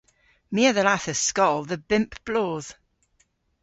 My a dhallathas skol dhe bymp bloodh.